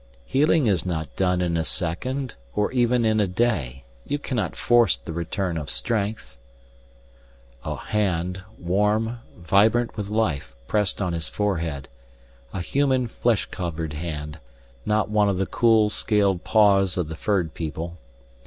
"Healing is not done in a second, or even in a day. You cannot force the return of strength " A hand, warm, vibrant with life, pressed on his forehead a human, flesh covered hand, not one of the cool, scaled paws of the furred people.